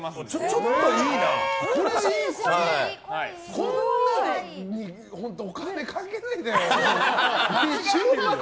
こんなのにお金かけないでよ。